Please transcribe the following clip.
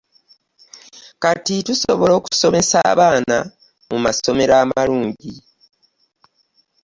Kati tusobola okusomesa abaana mu masomero amalumgi.